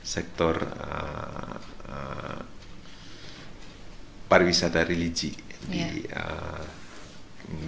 sektor pariwisata religi di banten lama